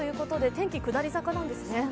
天気下り坂なんですね？